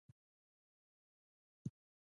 مېرمن راډیو د ښځینه قشر د ستونزو سپړونکې ده.